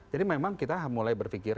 jadi memang kita mulai berpikir